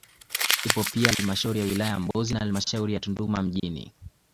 Ipo pia halmashauri ya wilaya ya Mbozi na halmashauri ya Tunduma mjini